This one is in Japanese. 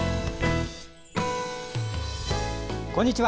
こんにちは。